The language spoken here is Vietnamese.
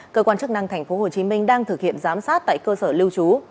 cơ quan chức năng tp hcm đang thực hiện giám sát tại cơ sở lưu trú